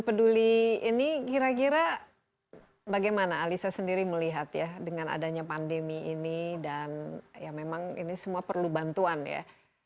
dan peduli ini kira kira bagaimana alisa sendiri melihat dengan adanya pandemi ini dan memang ini semua perlu bantuan ya